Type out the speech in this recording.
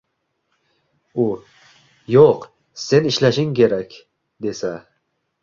U: “yoʻq, sen ishlashing kerak” — desa